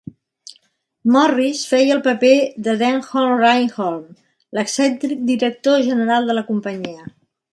Morris feia el paper de Denholm Reynholm, l"excèntric director general de la companyia.